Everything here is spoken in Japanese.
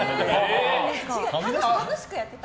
違う、楽しくやってた。